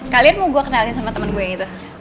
kalian mau gue kenalin sama temen gue yang itu